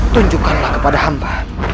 tunjukkanlah kepada hamba